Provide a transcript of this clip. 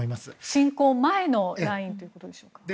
侵攻前のラインということでしょうか。